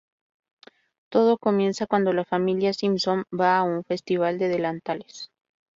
Todo comienza cuando la familia Simpson va a un festival de delantales.